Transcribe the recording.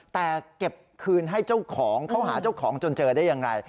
แต่เก็บคืนให้เจ้าของเขาหาเจ้าของจนเจอได้อย่างไร